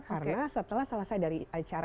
karena setelah selesai dari acara